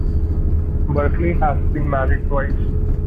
Berkeley has been married twice.